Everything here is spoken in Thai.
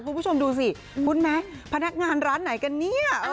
คุณผู้ชมดูสิคุ้นไหมพนักงานร้านไหนกันเนี่ย